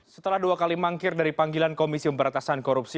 setelah dua kali mangkir dari panggilan komisi pemberatasan korupsi